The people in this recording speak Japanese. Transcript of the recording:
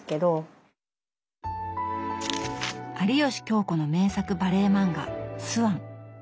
有吉京子の名作バレエ漫画「ＳＷＡＮ」。